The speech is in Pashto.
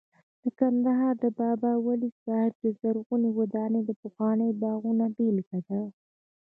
د کندهار د بابا ولی صاحب د زرغونې وادۍ د پخوانیو باغونو بېلګه ده